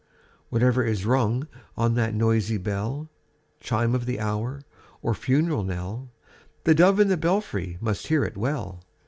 Whatever is rung on that noisy bell — Chime of the hour or funeral knell — The dove in the belfry must hear it well.